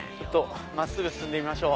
真っすぐ進んでみましょう。